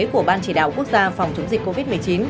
của ban chỉ đạo quốc gia phòng chống dịch covid một mươi chín